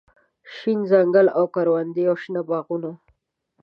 شين ځنګل او کروندې او شنه باغونه